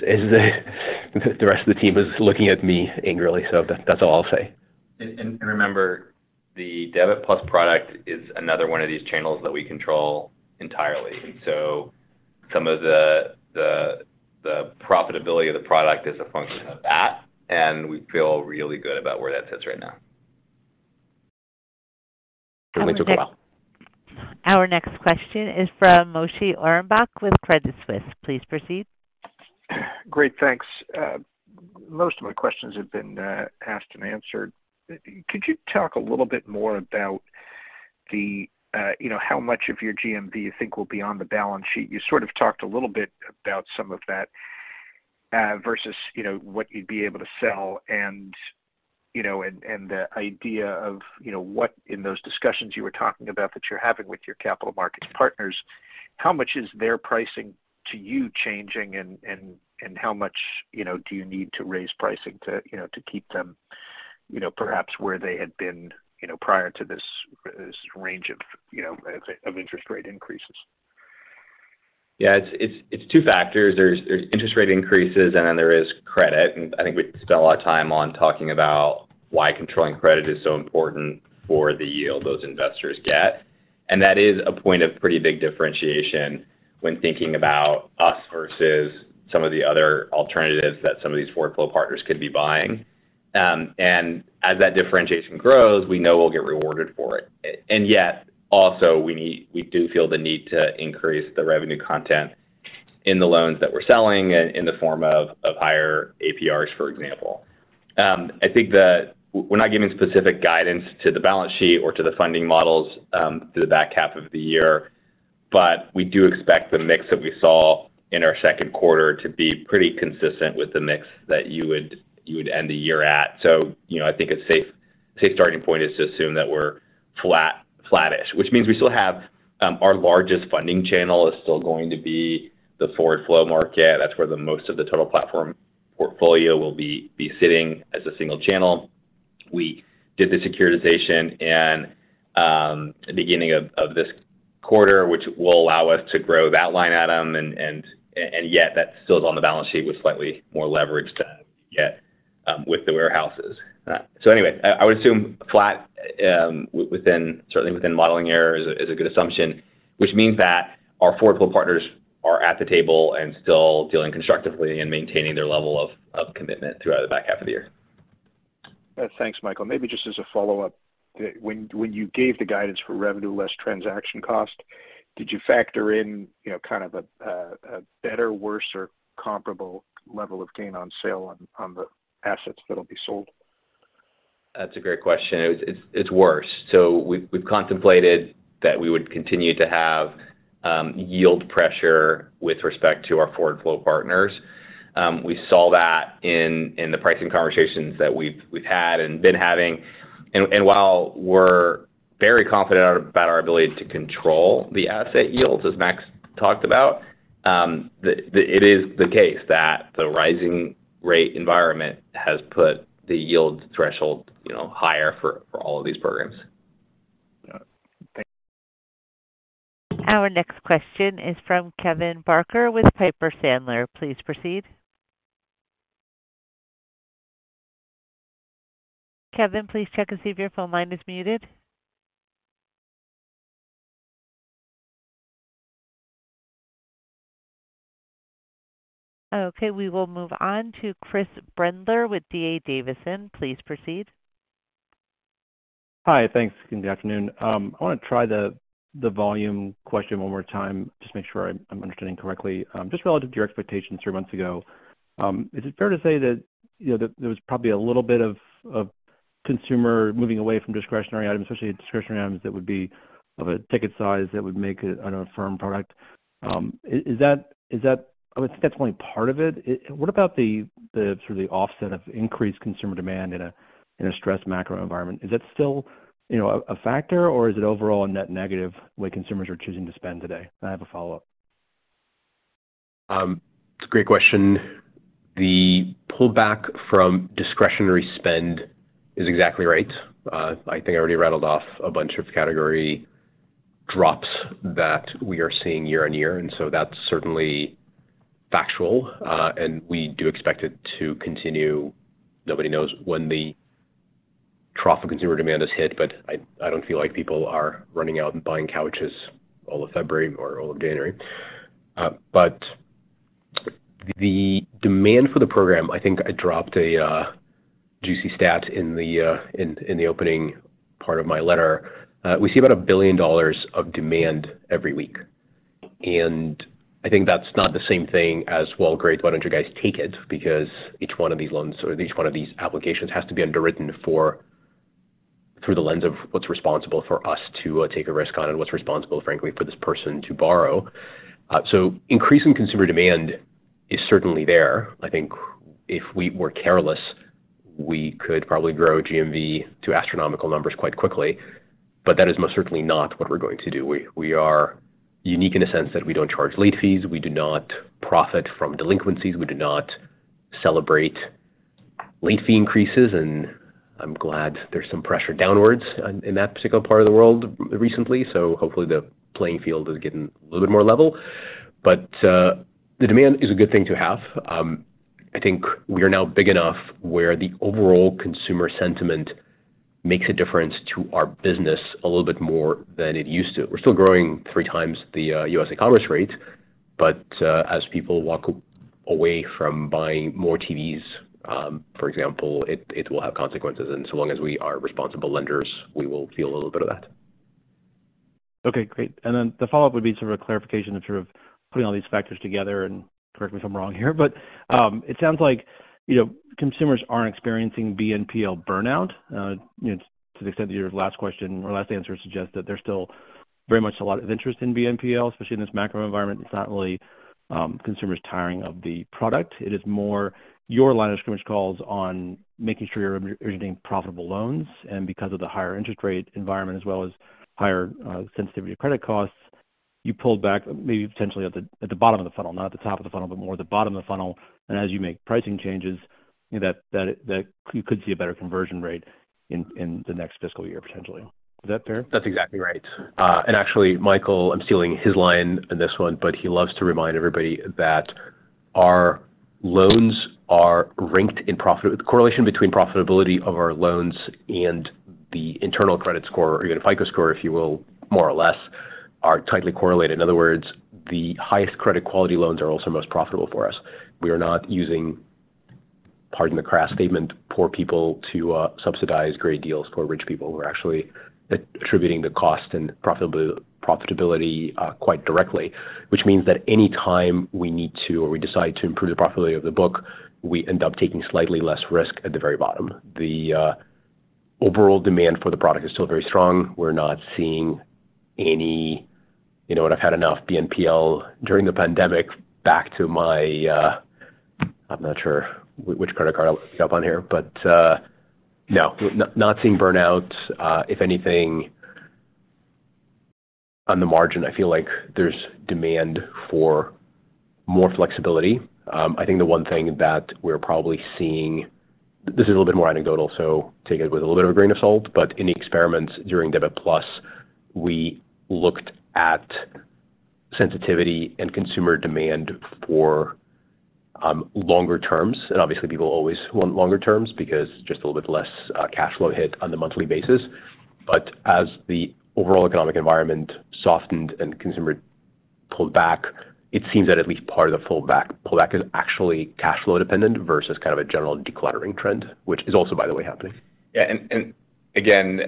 the rest of the team is looking at me angrily, so that's all I'll say. Remember, the Debit+ product is another one of these channels that we control entirely. Some of the profitability of the product is a function of that, and we feel really good about where that sits right now. It took a while. Our next question is from Moshe Orenbuch with Credit Suisse. Please proceed. Great. Thanks. Most of my questions have been asked and answered. Could you talk a little bit more about the, you know, how much of your GMV you think will be on the balance sheet? You sort of talked a little bit about some of that, versus, you know, what you'd be able to sell and, you know, and the idea of, you know, what in those discussions you were talking about that you're having with your capital markets partners, how much is their pricing to you changing and how much, you know, do you need to raise pricing to, you know, to keep them, you know, perhaps where they had been, you know, prior to this range of, you know, of interest rate increases? Yeah. It's two factors. There's interest rate increases, and then there is credit. I think we spent a lot of time on talking about why controlling credit is so important for the yield those investors get. That is a point of pretty big differentiation when thinking about us versus some of the other alternatives that some of these forward flow partners could be buying. As that differentiation grows, we know we'll get rewarded for it. Yet, also we do feel the need to increase the revenue content in the loans that we're selling in the form of higher APRs, for example. I think the... We're not giving specific guidance to the balance sheet or to the funding models, through the back half of the year. We do expect the mix that we saw in our second quarter to be pretty consistent with the mix that you would end the year at. You know, I think it's safe. Safe starting point is to assume that we're flat, flattish, which means we still have our largest funding channel is still going to be the forward flow market. That's where the most of the total platform portfolio will be sitting as a single channel. We did the securitization in the beginning of this quarter, which will allow us to grow that line item and yet that still is on the balance sheet with slightly more leverage to get with the warehouses. Anyway, I would assume flat within certainly within modeling error is a good assumption, which means that our forward flow partners are at the table and still dealing constructively and maintaining their level of commitment throughout the back half of the year. Thanks, Michael. Maybe just as a follow-up. When you gave the guidance for revenue less transaction costs, did you factor in, you know, kind of a better, worse or comparable level of gain on sale on the assets that'll be sold? That's a great question. It's worse. We've contemplated that we would continue to have yield pressure with respect to our forward flow partners. We saw that in the pricing conversations that we've had and been having. While we're very confident about our ability to control the asset yields, as Max talked about, it is the case that the rising rate environment has put the yield threshold, you know, higher for all of these programs. All right. Thank you. Our next question is from Kevin Barker with Piper Sandler. Please proceed. Kevin, please check and see if your phone line is muted. We will move on to Chris Brendler with D.A. Davidson. Please proceed. Hi. Thanks. Good afternoon. I wanna try the volume question one more time just to make sure I'm understanding correctly. Just relative to your expectations three months ago, is it fair to say that, you know, there was probably a little bit of consumer moving away from discretionary items, especially discretionary items that would be of a ticket size that would make it an Affirm product? Is that? I would say that's only part of it. What about the sort of the offset of increased consumer demand in a stressed macro environment? Is that still, you know, a factor or is it overall a net negative the way consumers are choosing to spend today? I have a follow-up. It's a great question. The pullback from discretionary spend is exactly right. I think I already rattled off a bunch of category drops that we are seeing year-over-year, that's certainly factual. We do expect it to continue. Nobody knows when the trough of consumer demand is hit, I don't feel like people are running out and buying couches all of February or all of January. The demand for the program, I think I dropped a juicy stat in the opening part of my letter. We see about $1 billion of demand every week. I think that's not the same thing as, "Well, great, why don't you guys take it?" Because each one of these loans or each one of these applications has to be underwritten for through the lens of what's responsible for us to take a risk on and what's responsible, frankly, for this person to borrow. Increasing consumer demand is certainly there. I think if we were careless, we could probably grow GMV to astronomical numbers quite quickly. That is most certainly not what we're going to do. We are unique in a sense that we don't charge late fees, we do not profit from delinquencies, we do not celebrate late fee increases, and I'm glad there's some pressure downwards in that particular part of the world recently. Hopefully, the playing field is getting a little bit more level. The demand is a good thing to have. I think we are now big enough where the overall consumer sentiment makes a difference to our business a little bit more than it used to. We're still growing three times the U.S. e-commerce rate, as people walk away from buying more TVs, for example, it will have consequences. So long as we are responsible lenders, we will feel a little bit of that. Okay. Great. The follow-up would be sort of a clarification of sort of putting all these factors together, correct me if I'm wrong here. It sounds like, you know, consumers aren't experiencing BNPL burnout. You know, to the extent that your last question or last answer suggests that there's still very much a lot of interest in BNPL, especially in this macro environment. It's not really consumers tiring of the product. It is more your line of scrimmage calls on making sure you're originating profitable loans. Because of the higher interest rate environment as well as higher sensitivity to credit costs, you pulled back maybe potentially at the bottom of the funnel, not at the top of the funnel, but more at the bottom of the funnel. As you make pricing changes, you know, that you could see a better conversion rate in the next fiscal year, potentially. Is that fair? That's exactly right. Actually, Michael, I'm stealing his line in this one, but he loves to remind everybody that our loans are ranked in profitability the correlation between profitability of our loans and the internal credit score or even FICO score, if you will, more or less are tightly correlated. In other words, the highest credit quality loans are also most profitable for us. We are not using, pardon the crass statement, poor people to subsidize great deals for rich people. We're actually attributing the cost and profitability quite directly, which means that any time we need to or we decide to improve the profitability of the book, we end up taking slightly less risk at the very bottom. The overall demand for the product is still very strong. We're not seeing any. You know what? I've had enough BNPL during the pandemic back to my... I'm not sure which credit card I'll jump on here, but no, not seeing burnout. If anything, on the margin, I feel like there's demand for more flexibility. I think the one thing that we're probably seeing, this is a little bit more anecdotal, so take it with a little bit of grain of salt, but in the experiments during Debit+, we looked at sensitivity and consumer demand for longer terms. Obviously people always want longer terms because just a little bit less cash flow hit on the monthly basis. As the overall economic environment softened and consumer pulled back, it seems that at least part of the pull back is actually cash flow dependent versus kind of a general decluttering trend, which is also, by the way, happening. Yeah. Again,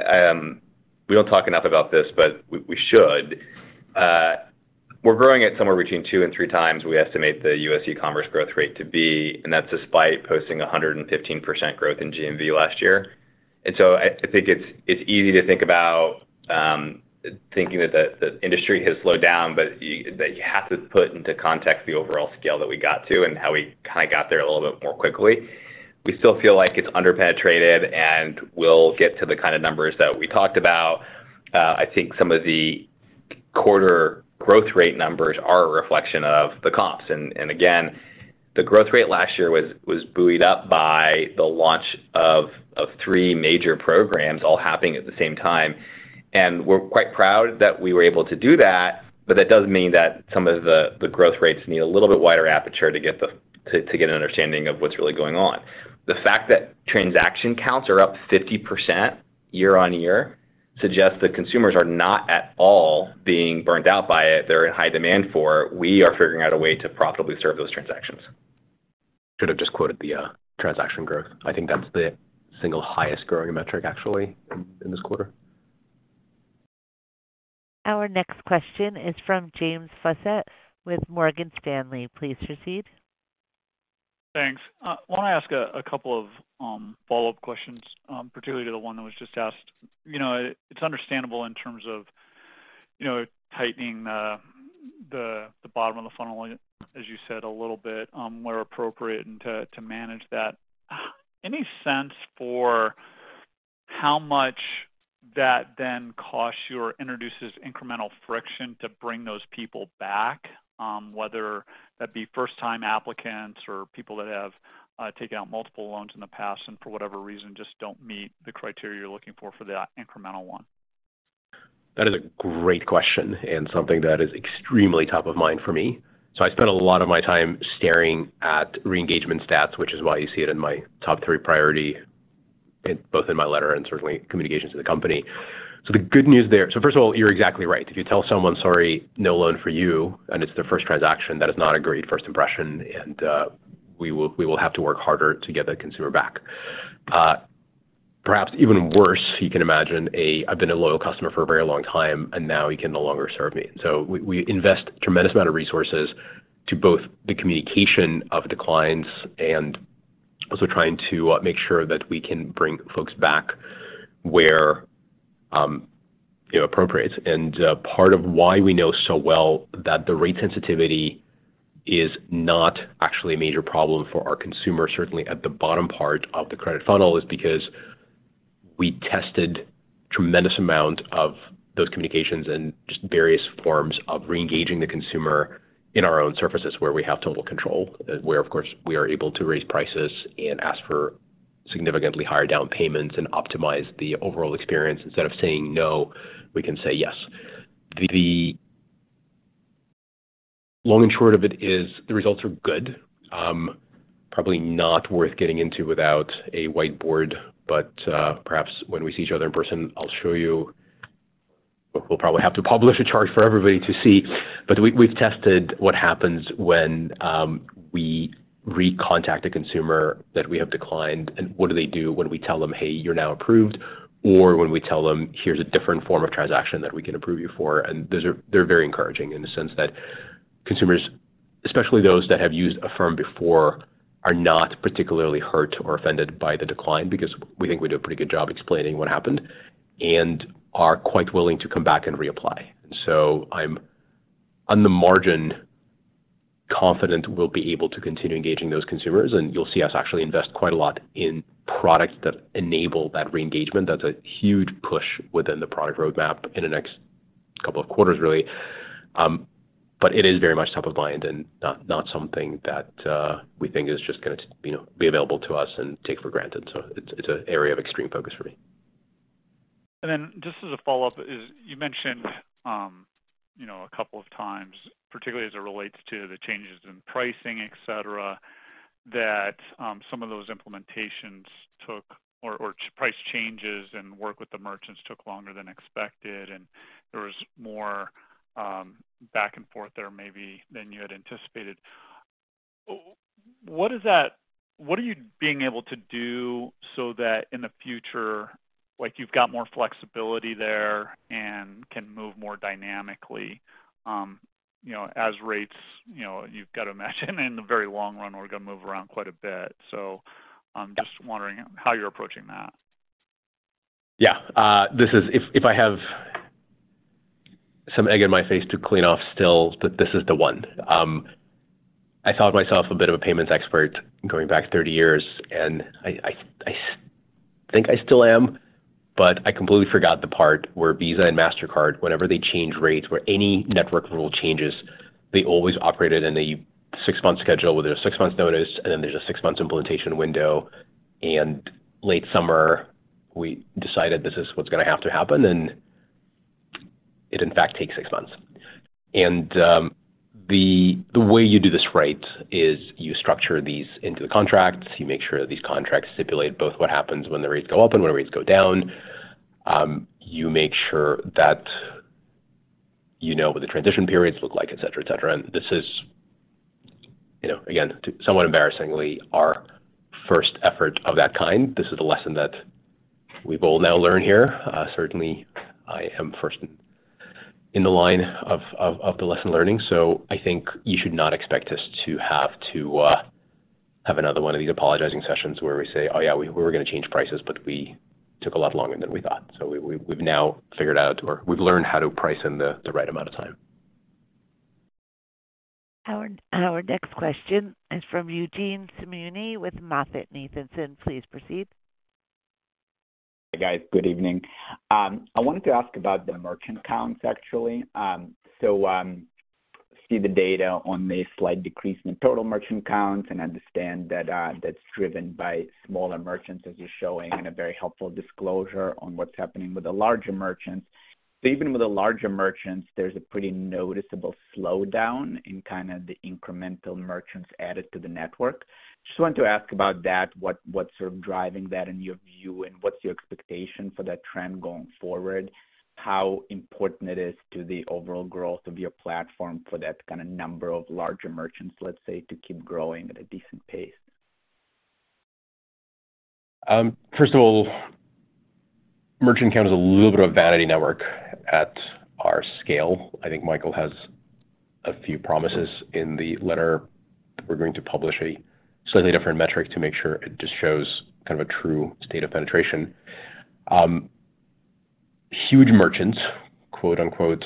we don't talk enough about this, but we should. We're growing at somewhere between two and three times, we estimate the U.S. e-commerce growth rate to be, and that's despite posting 115% growth in GMV last year. I think it's easy to think about, thinking that the industry has slowed down, but that you have to put into context the overall scale that we got to and how we kinda got there a little bit more quickly. We still feel like it's under-penetrated, we'll get to the kind of numbers that we talked about. I think some of the quarter growth rate numbers are a reflection of the comps. Again, the growth rate last year was buoyed up by the launch of three major programs all happening at the same time. We're quite proud that we were able to do that, but that does mean that some of the growth rates need a little bit wider aperture to get an understanding of what's really going on. The fact that transaction counts are up 50% year-on-year suggests that consumers are not at all being burnt out by it. They're in high demand for. We are figuring out a way to profitably serve those transactions. Should have just quoted the transaction growth. I think that's the single highest growing metric actually in this quarter. Our next question is from James Faucette with Morgan Stanley. Please proceed. Thanks. wanna ask a couple of follow-up questions, particularly to the one that was just asked. You know, it's understandable in terms of, you know, tightening the bottom of the funnel, as you said, a little bit, where appropriate and to manage that. Any sense for how much that then costs you or introduces incremental friction to bring those people back, whether that be first time applicants or people that have taken out multiple loans in the past and for whatever reason, just don't meet the criteria you're looking for for that incremental one? That is a great question and something that is extremely top of mind for me. I spend a lot of my time staring at re-engagement stats, which is why you see it in my top three priority, both in my letter and certainly communications to the company. The good news there. First of all, you're exactly right. If you tell someone, sorry, no loan for you, and it's their first transaction, that is not a great first impression, and we will have to work harder to get that consumer back. Perhaps even worse, you can imagine I've been a loyal customer for a very long time, and now you can no longer serve me. We invest tremendous amount of resources to both the communication of declines and also trying to make sure that we can bring folks back where, you know, appropriate. Part of why we know so well that the rate sensitivity is not actually a major problem for our consumer, certainly at the bottom part of the credit funnel, is because we tested tremendous amount of those communications and just various forms of reengaging the consumer in our own surfaces where we have total control, where, of course, we are able to raise prices and ask for significantly higher down payments and optimize the overall experience. Instead of saying no, we can say yes. The long and short of it is the results are good. Probably not worth getting into without a whiteboard, perhaps when we see each other in person, I'll show you. We'll probably have to publish a chart for everybody to see. We've tested what happens when we recontact a consumer that we have declined, and what do they do when we tell them, "Hey, you're now approved," or when we tell them, "Here's a different form of transaction that we can approve you for." They're very encouraging in the sense that consumers, especially those that have used Affirm before, are not particularly hurt or offended by the decline because we think we do a pretty good job explaining what happened, and are quite willing to come back and reapply. I'm, on the margin, confident we'll be able to continue engaging those consumers, and you'll see us actually invest quite a lot in products that enable that re-engagement. That's a huge push within the product roadmap in the next couple of quarters, really. It is very much top of mind and not something that we think is just gonna, you know, be available to us and take for granted. It's an area of extreme focus for me. Then just as a follow-up is, you mentioned, you know, a couple of times, particularly as it relates to the changes in pricing, et cetera, that some of those implementations took or price changes and work with the merchants took longer than expected, and there was more back and forth there maybe than you had anticipated. What are you being able to do so that in the future, like you've got more flexibility there and can move more dynamically, you know, as rates, you know, you've got to imagine in the very long run, we're gonna move around quite a bit? I'm just wondering how you're approaching that. Yeah. This is if I have some egg in my face to clean off still, this is the one. I thought myself a bit of a payments expert going back 30 years, and I think I still am. But I completely forgot the part where Visa and Mastercard, whenever they change rates, where any network rule changes, they always operate it in a 6-month schedule with a 6-month notice, and then there's a 6-month implementation window. Late summer, we decided this is what's gonna have to happen, and it in fact takes six months. The way you do this right is you structure these into the contracts. You make sure that these contracts stipulate both what happens when the rates go up and when the rates go down. You make sure that you know what the transition periods look like, et cetera, et cetera. This is, you know, again, somewhat embarrassingly our first effort of that kind. This is the lesson that we've all now learned here. Certainly I am first in the line of the lesson learning. I think you should not expect us to have to have another one of these apologizing sessions where we say, "Oh yeah, we were gonna change prices, but we took a lot longer than we thought." We've now figured out or we've learned how to price in the right amount of time. Our next question is from Eugene Simuni with MoffettNathanson. Please proceed. Hi, guys. Good evening. I wanted to ask about the merchant counts actually. See the data on the slight decrease in the total merchant counts and understand that's driven by smaller merchants as you're showing in a very helpful disclosure on what's happening with the larger merchants. Even with the larger merchants, there's a pretty noticeable slowdown in kind of the incremental merchants added to the network. Just wanted to ask about that, what's sort of driving that in your view, and what's your expectation for that trend going forward, how important it is to the overall growth of your platform for that kind of number of larger merchants, let's say, to keep growing at a decent pace? First of all, merchant count is a little bit of a vanity metric at our scale. I think Michael has a few promises in the letter. We're going to publish a slightly different metric to make sure it just shows kind of a true state of penetration. Huge merchants, quote-unquote,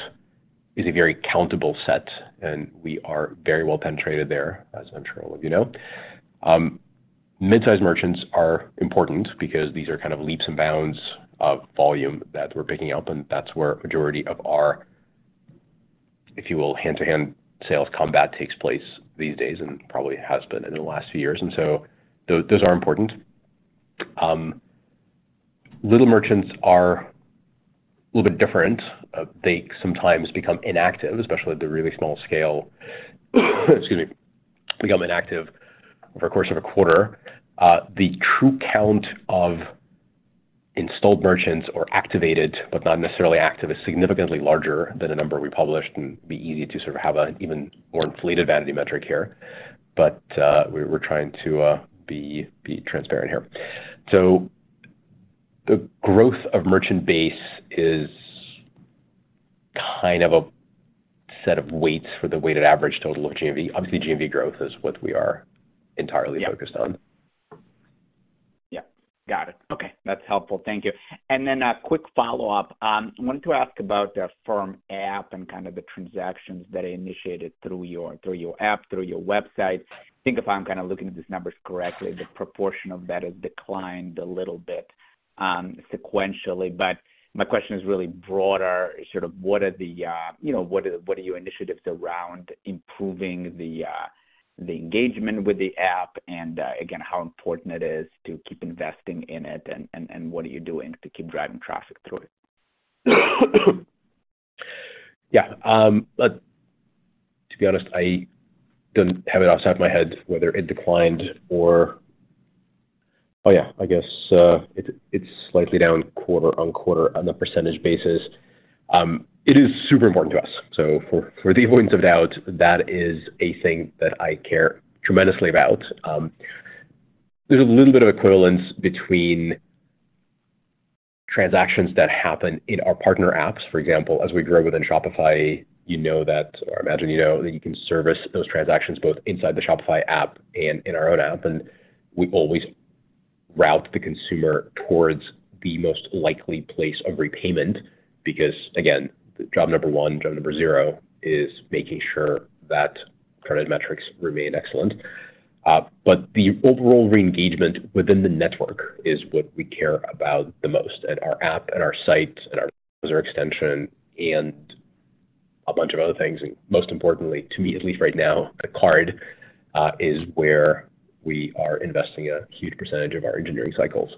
is a very countable set, and we are very well penetrated there, as I'm sure all of you know. Mid-size merchants are important because these are kind of leaps and bounds of volume that we're picking up, and that's where majority of our, if you will, hand-to-hand sales combat takes place these days and probably has been in the last few years. Those are important. Little merchants are a little bit different. They sometimes become inactive, especially at the really small scale, excuse me, become inactive over the course of a quarter. The true count of installed merchants or activated, but not necessarily active, is significantly larger than the number we published, and it'd be easy to sort of have an even more inflated vanity metric here. We're trying to be transparent here. The growth of merchant base is kind of a set of weights for the weighted average total of GMV. Obviously, GMV growth is what we are entirely focused on. Yeah. Got it. Okay. That's helpful. Thank you. Then a quick follow-up. wanted to ask about the Affirm app and kind of the transactions that are initiated through your, through your app, through your website? Think if I'm kind of looking at these numbers correctly, the proportion of that has declined a little bit sequentially. my question is really broader, sort of what are the, you know, what are your initiatives around improving the engagement with the app and again, how important it is to keep investing in it and what are you doing to keep driving traffic through it? Yeah. To be honest, I don't have it off the top of my head whether it declined or... Oh, yeah. I guess, it's slightly down quarter-over-quarter on a percentage basis. It is super important to us. For the avoidance of doubt, that is a thing that I care tremendously about. There's a little bit of equivalence between transactions that happen in our partner apps. For example, as we grow within Shopify, you know that or imagine you know that you can service those transactions both inside the Shopify app and in our own app, and we always route the consumer towards the most likely place of repayment because, again, job number one, job number zero is making sure that credit metrics remain excellent. The overall re-engagement within the network is what we care about the most. Our app and our site and our extension and a bunch of other things, and most importantly, to me, at least right now, a card, is where we are investing a huge percentage of our engineering cycles.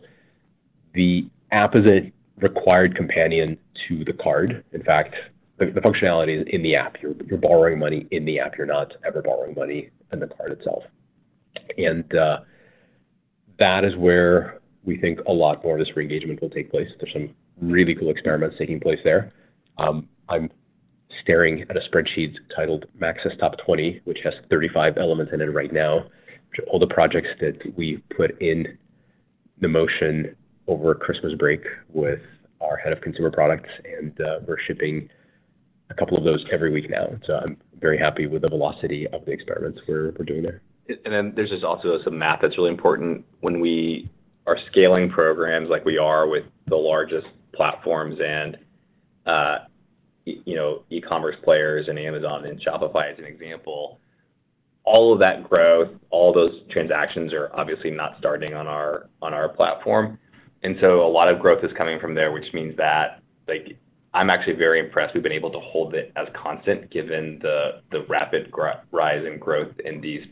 The app is a required companion to the card. In fact, the functionality is in the app. You're borrowing money in the app. You're not ever borrowing money in the card itself. That is where we think a lot more of this re-engagement will take place. There's some really cool experiments taking place there. I'm staring at a spreadsheet titled Max's Top Twenty, which has 35 elements in it right now. Which are all the projects that we've put in the motion over Christmas break with our head of consumer products, and we're shipping A couple of those every week now. I'm very happy with the velocity of the experiments we're doing there. There's just also some math that's really important when we are scaling programs like we are with the largest platforms, you know, e-commerce players and Amazon and Shopify as an example. All of that growth, all those transactions are obviously not starting on our platform. A lot of growth is coming from there, which means that, like, I'm actually very impressed we've been able to hold it as constant given the rapid rise in growth in these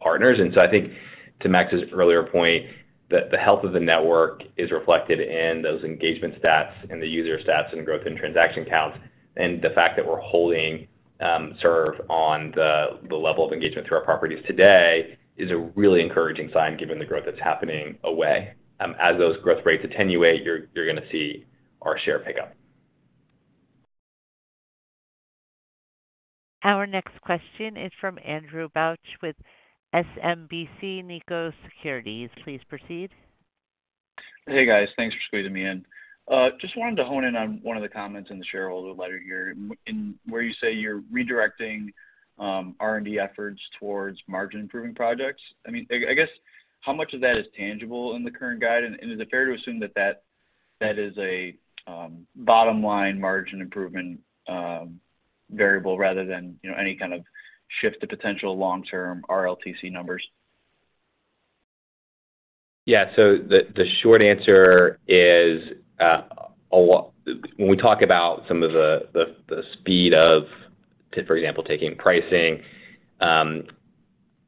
partners. I think to Max's earlier point, the health of the network is reflected in those engagement stats and the user stats and growth in transaction counts. The fact that we're holding serve on the level of engagement through our properties today is a really encouraging sign given the growth that's happening away. As those growth rates attenuate, you're gonna see our share pick up. Our next question is from Andrew Bauch with SMBC Nikko Securities. Please proceed. Hey, guys. Thanks for squeezing me in. Just wanted to hone in on one of the comments in the shareholder letter, where you say you're redirecting R&D efforts towards margin-improving projects. I mean, I guess how much of that is tangible in the current guide, and is it fair to assume that that is a bottom line margin improvement variable rather than, you know, any kind of shift to potential long-term RLTC numbers? Yeah. The short answer is, a lot. When we talk about some of the speed of, for example, taking pricing,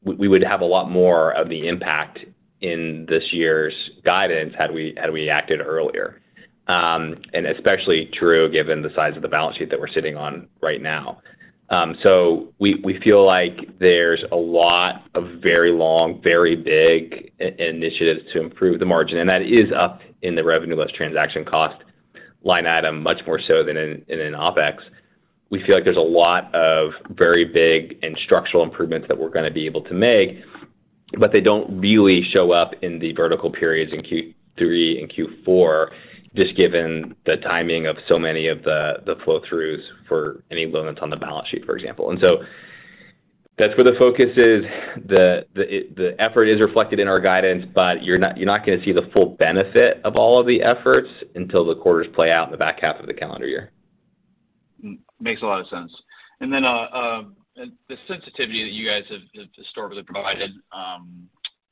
we would have a lot more of the impact in this year's guidance had we acted earlier. Especially true given the size of the balance sheet that we're sitting on right now. We feel like there's a lot of very long, very big initiatives to improve the margin, and that is up in the revenue less transaction costs line item much more so than in OpEx. We feel like there's a lot of very big and structural improvements that we're gonna be able to make. They don't really show up in the vertical periods in Q3 and Q4, just given the timing of so many of the flow throughs for any loans on the balance sheet, for example. So that's where the focus is. The effort is reflected in our guidance, you're not gonna see the full benefit of all of the efforts until the quarters play out in the back half of the calendar year. Makes a lot of sense. The sensitivity that you guys have historically provided,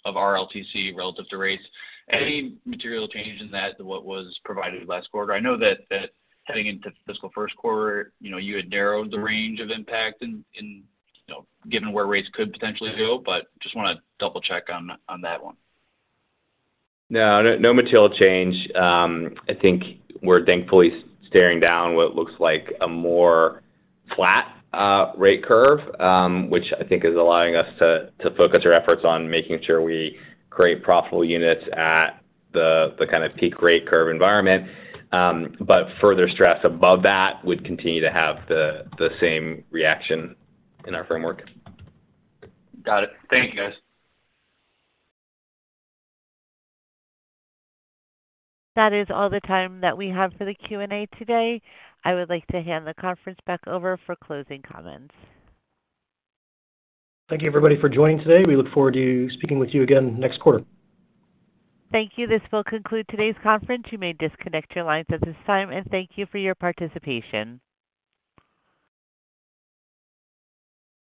of RLTC relative to rates, any material change in that to what was provided last quarter? I know that heading into fiscal first quarter, you know, you had narrowed the range of impact, you know, given where rates could potentially go, but just wanna double-check on that one. No, no material change. I think we're thankfully staring down what looks like a more flat rate curve, which I think is allowing us to focus our efforts on making sure we create profitable units at the kind of peak rate curve environment. Further stress above that would continue to have the same reaction in our framework. Got it. Thank you, guys. That is all the time that we have for the Q&A today. I would like to hand the conference back over for closing comments. Thank you, everybody, for joining today. We look forward to speaking with you again next quarter. Thank you. This will conclude today's conference. You may disconnect your lines at this time, and thank you for your participation.